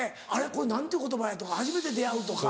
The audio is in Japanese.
これ何ていう言葉や？とか初めて出合うとか。